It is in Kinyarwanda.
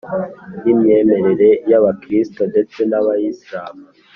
n’imyemerere y’abakristo ndetse n’abayisilamu